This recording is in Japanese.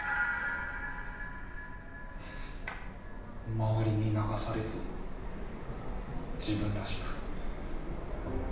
「まわりに流されず自分らしく」。